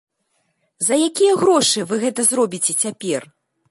За якія грошы вы гэта зробіце цяпер?